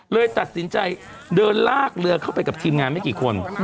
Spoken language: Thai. เลยตัดสินใจเดินลากเรือเข้าไปกับทีมงานไม่กี่คน